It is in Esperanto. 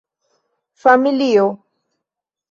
Familio.